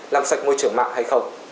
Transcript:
làm sạch môi trường mạng hay không